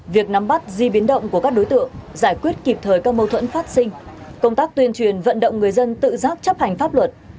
việc nắm bắt di biến động của các đối tượng giải quyết kịp thời các mâu thuẫn phát sinh công tác tuyên truyền vận động người dân tự giác chấp hành pháp luật